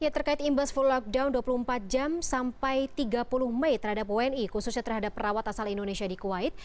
terkait imbas full lockdown dua puluh empat jam sampai tiga puluh mei terhadap wni khususnya terhadap perawat asal indonesia di kuwait